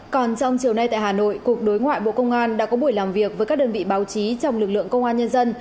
còn trong chiều nay tại hà nội cục đối ngoại bộ công an đã có buổi làm việc với các đơn vị báo chí trong lực lượng công an nhân dân